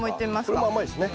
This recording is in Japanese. これも甘いですね